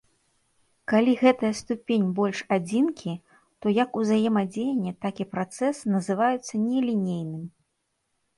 Калі гэтая ступень больш адзінкі, то як узаемадзеянне, так і працэс называюцца нелінейным.